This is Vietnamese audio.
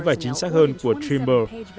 và chính xác hơn của trimble